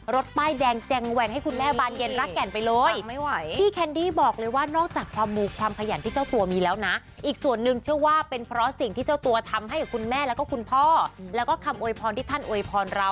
เราตกน้ำบ่อยแต่ว่าไม่ไหล